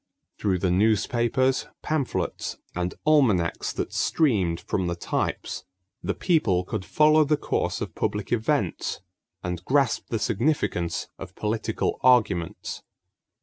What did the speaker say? Through the newspapers, pamphlets, and almanacs that streamed from the types, the people could follow the course of public events and grasp the significance of political arguments.